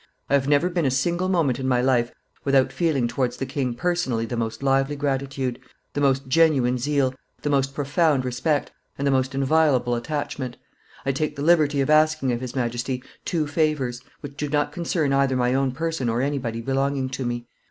I have never been a single moment in my life without feeling towards the king personally the most lively gratitude, the most genuine zeal, the most profound respect, and the most inviolable attachment. I take the liberty of asking of his Majesty two favors, which do not concern either my own person or anybody belonging to me.